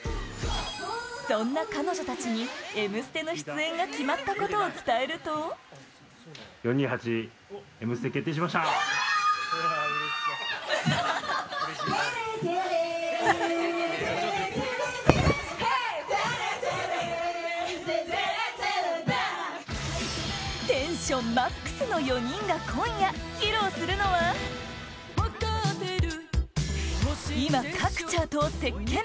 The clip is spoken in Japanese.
そんな彼女たちに「Ｍステ」の出演が決まったことを伝えるとテンションマックスの４人が今夜、披露するのは今、各チャートを席巻！